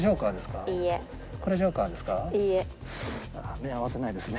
目合わせないですね。